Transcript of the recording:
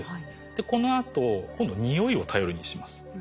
でこのあと今度匂いを頼りにします。